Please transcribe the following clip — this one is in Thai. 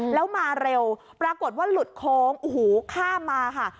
แล้วมาเร็วปรากฏว่าหลุดโค้งโอ้โหข้ามมาค่ะ